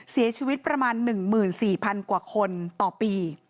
เสียชีวิตประมาณ๑๔๐๐๐กว่าคนต่อปี